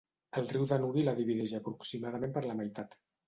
El riu Danubi la divideix aproximadament per la meitat.